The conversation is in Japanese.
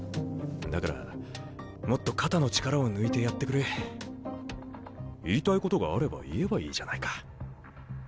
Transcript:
だからもっと肩の力を抜いてやってくれ。言いたいことがあれば言えばいいじゃないか。